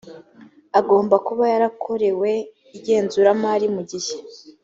agomba kuba yarakorewe igenzuramari mu gihe